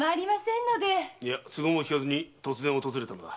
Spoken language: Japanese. いや都合も聞かずに突然訪れたのだ。